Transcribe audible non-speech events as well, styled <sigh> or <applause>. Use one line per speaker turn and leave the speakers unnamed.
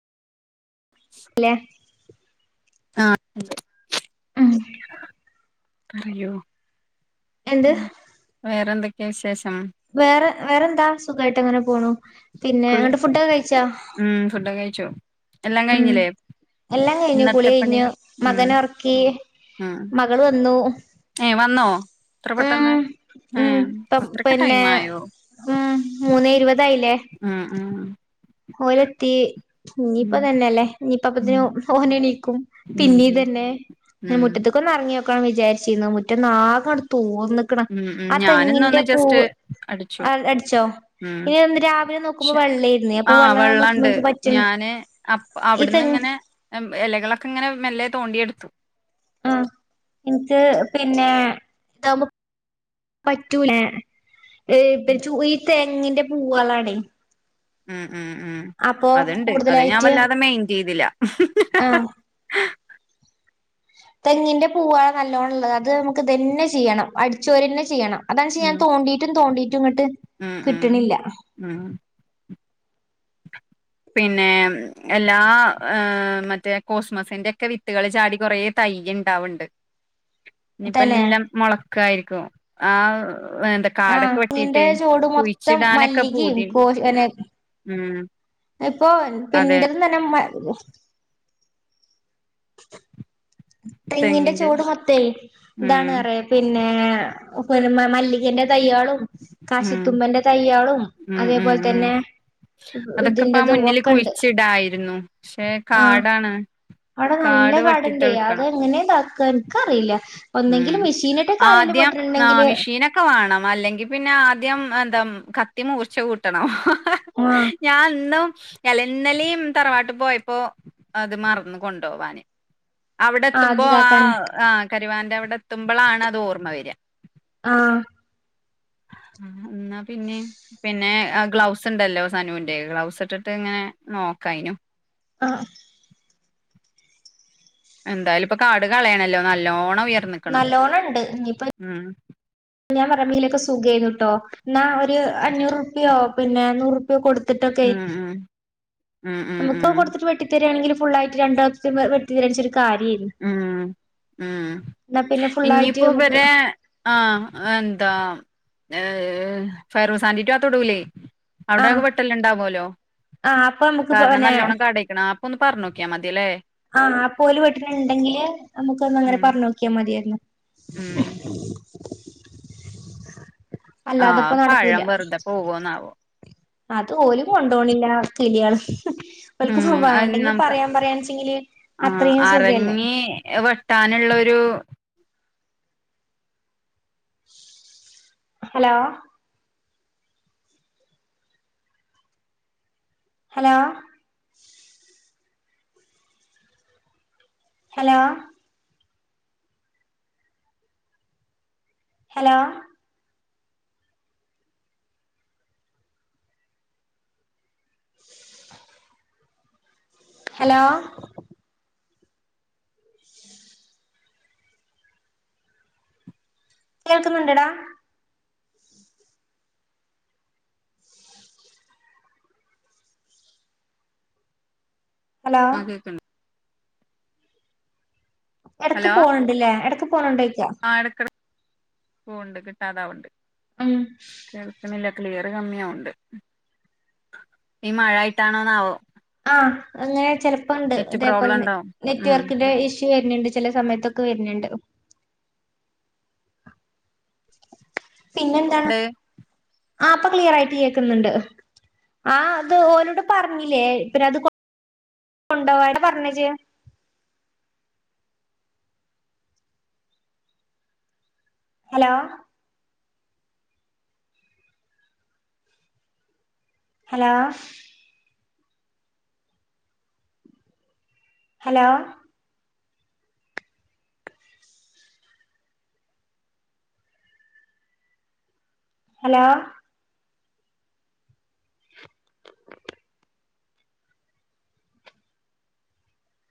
അല്ലേ
ആഹ്
ആഹ്
പറയോ
എന്ത്
വേറെന്തൊക്കെയാ വിശേഷം
വേറെ വേറെന്താ സുഖമായിട്ട് അങ്ങനെ പോണു പിന്നെ
കുളി
അങ്ങ്ട്ട് ഫുഡൊക്കെ കഴിച്ചാ
ഉം ഫുഡ് ഒകെ കഴിച്ചു എല്ലാം
ഉം
കഴിഞ്ഞില്ലേ
എല്ലാം കഴിഞ്ഞു കുളി
ഇന്നത്തെ
കഴിഞ്ഞു
പണികൾ ഉം
മകന ഉറക്കി
ഉം
മകൾ വന്നു
ഏഹ് വന്നോ ഇത്ര
ഉം
പെട്ടെന്ന്
ഉം
ഏഹ്
ഇപ്പം
അത്രക്ക്
പിന്നെ
ടൈം ആയോ
ഉം മൂന്ന് ഇരുപതായില്ലേ
ഉം ഉം
ഓലെത്തി ഇനിയിപ്പ
ഉം
തന്നെയല്ലേ ഇനിപ്പ
ഉം
അപ്പത്ത്ന് ഓന് എണീക്കും
ഉം
പിന്നീ
ഉം
തന്നെ മുറ്റത്തേക്ക് ഒന്ന് ഇറങ്ങി നോക്കാണ് വിചാരിച്ചിരുന്നത് മുറ്റന്നാകെ തൂർന്ന്
ഉം ഉം ഉം
ആ
ഞാനിന്നൊന്ന്
തെങ്ങിന്റെ
ജസ്റ്റ്
പൂവ്
അടിച്ചു
അടിച്ചോ
ഉം
ഇനി രാവിലെ നോ ക്കുമ്പോ
പക്ഷെ
വെള്ളേയിരുന്നേ
ആഹ് വെള്ളംണ്ട് ഞാന് അ
ഈ
അവിടുന്ന്
തെങ്ങ്
ഇങ്ങനെ ഇലകളൊക്കെ ഇങ്ങനെ മെല്ലെ തോണ്ടിയെടുത്തു
ആഹ് എനിക്ക് പിന്നെ പറ്റൂലാ ഈ തെങ്ങിന്റെ പൂവളാണേ
ഉം ഉം ഉ അതുണ്ട് അത് ഞാൻ
കൂടുതലായിട്ട്
വല്ലാതെ മെയിൻഡ് ചെയ്തില്ല
ആഹ് തെങ്ങിൻന്റെ പൂവാണ് നല്ലോണ്ണം ഉള്ളത് അത് നമുക്ക് ഇതന്നെ ചെയ്യണം അടിച്ചോരി തന്നെ ചെയ്യണം അതാണ്ച്ച ഞാൻ
ഉം
തോണ്ടിട്ടും തോണ്ടിട്ടും ഇങ്ങോട്ട്
ഉം ഉം
കിട്ടണില്ല
ഉം പിന്നെ എല്ലാ മറ്റേ കോസ്മസിന്റെക്കെ വിത്തുകൾ ചാടി കുറെ തയ്യിണ്ടാവുണ്ട്
<inaudible>
ഇനിയിപ്പോ
തന്നെ
എല്ലാം മുളക്കായിരിക്കും ആ വേണ്ട
ആഹ്
കാടൊക്കെ
തെങ്ങിന്റെ
വെട്ടിട്ട്
ചോട് മൊത്തം
കുഴിച്ചിടാനൊക്കെ
മല്ലികിം
പൂതി
കോ
ഉം
ഇപ്പൊ
അതെ
ഇൻ്റൽന്ന് തന്നെ മി തെങ്ങിന്റെ ചോട് മൊത്തേ ഇതാണ്
ഉം
പറയ പിന്നെ മല്ലികന്റെ തയ്യയാളും
ഉം
കാശിത്തുമ്പന്റെ തയ്യാളും അതേപോലെ തന്നെ
അതൊക്കെപ്പ ആ
ഇതിന്റെതും
മുന്നില്
ഒക്കെണ്ട്
കുഴിച്ചിടായിരുന്നു പക്ഷെ
ആഹ്
കാടാണ്
അവിടെ നല്ല
കാട്
കാടുണ്ടേ
വെട്ടിത്തെളിക്കണം
അത് എങ്ങനെ ഇതാക്കുക എനിക്കറിയില്ല
ഉം
ഒന്നെങ്കില് മെഷീൻട്ട് കാടേല് വെട്ടുണുണ്ടെങ്കില്
ക്ക വേണം അല്ലെങ്കിൽ പിന്നെ ആദ്യം എന്താ കത്തി മൂർച്ച കൂട്ടണം
ആഹ്
ഞാൻ ഇന്നും ലെ ഇന്നലെയും തറവാട്ടിൽ പോയപ്പോ അത് മറന്നു കൊണ്ടുപോവാന് അവിടെ
ആഹ് അത്
എത്തുമ്പോ
ഇതാക്കാൻ
ആഹ് ആഹ് കരുവാന്റെ അവിടെ എത്തുമ്പോളാണ് അത് ഓർമ്മ വരിക
ആഹ്
ആഹ് എന്നാ പിന്നെ പിന്നെ ഗ്ലൗസ് ഉണ്ടല്ലോ സനുവിന്റെ ഗ്ലൗസ് ഇട്ടിട്ട് ഇങ്ങനെ നോക്കായിനു
ആഹ്
എന്തായാലും ഇപ്പൊ കാട് കളയണല്ലോ നല്ലോണം ഉയർന്നിക്കണ്
നല്ലോണം ഉണ്ട് ഇനിയിപ്പോ
ഉം
ഞാൻ പറയ്പലൊക്കെ സുഖംന്നിട്ടോഎന്നാ ഒരു അഞ്ഞൂറ്റുപയോ പിന്നെ നൂറ് ഇത് കൊടുത്തിട്ടൊക്കെയ്
ഉം ഉം ഉം
നമുക്ക് അത്
ഉം
കൊടുത്തിട്ട് വെട്ടി തരിയാണെങ്കിൽ ഫുളായിട്ട് രണ്ടാ വെട്ടി തയ്ച്ച ഒരു കാര്യമായിരുന്നു
ഉം ഉം
പിന്നെ ഫുള്ളായിട്ട്
ഇനിയിപ്പോ
നമുക്ക്
ഇവരെ ആഹ് എന്താ ഏർ ഫൈറൂസാൻറിറ്റാത്തോടൂലേ
ആഹ്
അവിടെൊക്കെ വെട്ടല്ലാം ഇണ്ടാവുമല്ലോ
ആഹ് അപ്പൊ നമുക്ക്
കാരണം
പിന്നെ
നല്ലോണ്ണം കടക്കണം ഒന്ന് പറഞ്ഞു നോക്കിയാ മതിയല്ലേ
ആ ആ പോല വീട്ടിട്ടുണ്ടെങ്കില് നമുക്ക് ഒന്ന് അങ്ങനെ
ഉം
പറഞ്ഞ് നോക്കിയാൽ മതിയായിരുന്നു <inaudible>
ഉം ആഹ്
അല്ലാതെപ്പോ നടക്കൂല
പഴം വെറുതെ പോവോന്നാവോ
അത് ഓല് കൊണ്ടോണില്ല കിള്യാള് ഓൽക്ക്‌
ഉം
പ്പൊ
അത്
വേണ്ടെങ്കി
നമുക്ക്
പറയാൻ പറയാൻച്ചെങ്കില് അത്രയും സുഖല്ലേ.
ഏഹ് വെ ട്ടാനുള്ളൊരു
hello hello hello hello hello കേൾക്കുന്നുണ്ടോ ഡാ ഹലോ
ആഹ് കേക്ക്ണ്ട്
എടക്ക്
ഹലോ
പോണുണ്ട്ല്ലേ എടക്ക് പോണ് ണ്ടേ
ആഹ് എടക്കെടക്ക് പോവ്ണ്ട് കിട്ടാതാവ്ണ്ട്
ഉം
കേൾക്ക്ണില്ല ക്ലിയർ കമ്മിയാവ്ണ്ട് ഈ മഴയായിട്ടാണോന്നാവോ
ആഹ് അങ്ങനെ ചെലപ്പണ്ട്
നെറ്റ്
ഇതേ പോലെ
പ്രോബ്ലം
നെ
ഉണ്ടാവും
നെറ്റ്
ഉം
വർക്കിന്റെ ഇഷ് ഷു വെര്ന്ണ്ട് ചെല സമയത്തൊക്കെ വെര്ന്ണ്ട്. പിന്നെ
ട്
ആഹ് ഇപ്പൊ ക്ലിയറായിട്ട് കേക്ക്ന്നുണ്ട് ആഹ് അത് ഓലോട് പറഞ്ഞില്ലേ പിന്നെ അത് കൊ കൊണ്ടോവൻ ആരോടാ പഞ്ഞേ ഇജ്ജ് ഹലോ ഹലോ ഹലോ ഹലോ